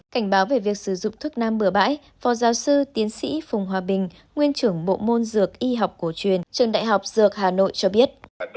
cảnh báo về việc sử dụng thuốc nam bừa bãi phó giáo sư tiến sĩ phùng hòa bình nguyên trưởng bộ môn dược y học cổ truyền trường đại học dược hà nội cho biết